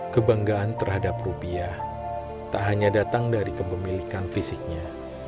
kebanggaan terhadap rupiah tak hanya datang dari kepemilikan fisiknya